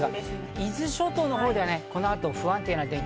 伊豆諸島ではこの後、不安定な天気。